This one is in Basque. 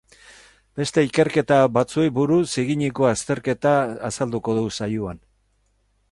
Beste ikerketa batzuei buruz eginiko azterketa azalduko du saioan.